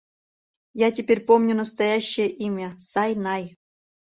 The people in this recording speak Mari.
Я теперь помню настоящее имя: Сай-най.